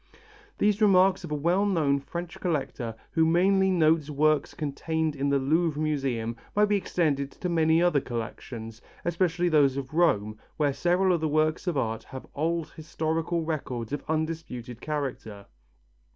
These remarks of a well known French collector who mainly notes works contained in the Louvre Museum might be extended to many other collections, especially those of Rome, where several of the works of art have old historical records of undisputed character.